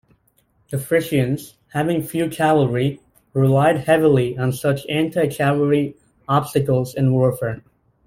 The Frisians, having few cavalry, relied heavily on such anti-cavalry obstacles in warfare.